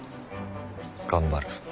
頑張る。